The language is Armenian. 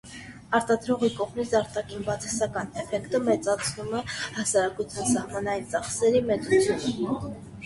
Արտադրողի կողմից արտաքին բացասական էֆեկտը մեծացնում է հասարակության սահմանային ծախսերի մեծությունը։